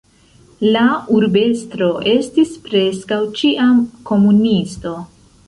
La urbestro estis preskaŭ ĉiam komunisto.